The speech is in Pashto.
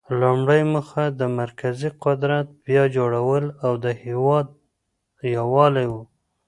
لومړۍ موخه د مرکزي قدرت بیا جوړول او د هیواد یووالی و.